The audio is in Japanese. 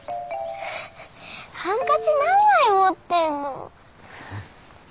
ハンカチ何枚持ってんの？